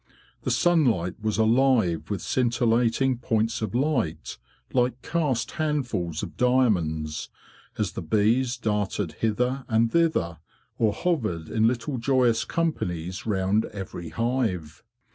The sunlight was alive with scintillating points of light, like cast handfuls of diamonds, as the bees darted hither and thither, or hovered in little joyous companies round every hive.